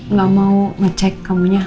nggak mau ngecek kamunya